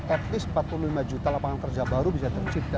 at least empat puluh lima juta lapangan kerja baru bisa tercipta